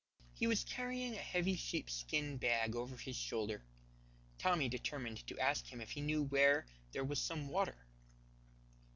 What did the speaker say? He was carrying a heavy sheepskin bag over his shoulder. Tommy determined to ask him if he knew where there was some water.